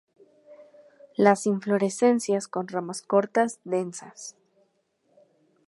Las inflorescencias con ramas cortas, densas.